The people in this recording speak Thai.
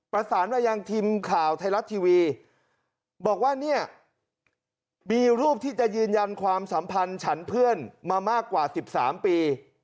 ประสานมายังทีมข่าวไทยรัฐทีวีบอกว่าเนี่ยมีรูปที่จะยืนยันความสัมพันธ์ฉันเพื่อนมามากกว่า๑๓ปี